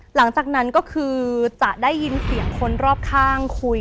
หลังจากนั้นก็คือจะได้ยินเสียงคนรอบข้างคุย